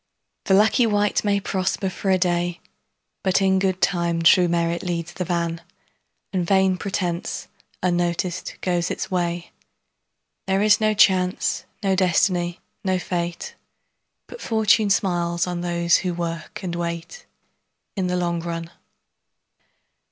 The lucky wight may prosper for a day, But in good time true merit leads the van And vain pretence, unnoticed, goes its way. There is no Chance, no Destiny, no Fate, But Fortune smiles on those who work and wait, In the long run.